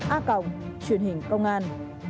a cộng truyền hình công an